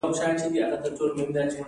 کانټ د عملي عقل د نقد لیدلوری لري.